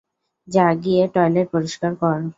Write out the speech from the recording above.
যা গিয়ে টয়লেট পরিষ্কার কর।